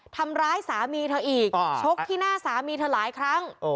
ทำร้ายสามีเธออีกชกที่หน้าสามีเธอหลายครั้ง